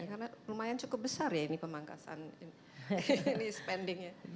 karena lumayan cukup besar ya ini pemangkasan ini spendingnya